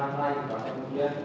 lain bahkan kemudian